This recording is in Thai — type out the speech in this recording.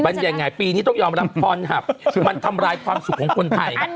มันยังไงปีนี้ต้องยอมรับพรหับมันทำลายความสุขของคนไทย